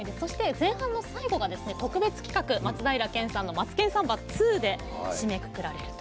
前半の最後が特別企画松平健さんの「マツケンサンバＩＩ」で締めくくられると。